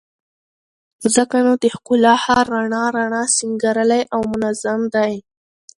ځکه نو د ښکلا ښار رڼا رڼا، سينګارلى او منظم دى